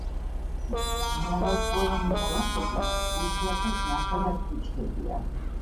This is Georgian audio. მრავალწლოვანი ბალახები, იშვიათად ნახევრად ბუჩქებია.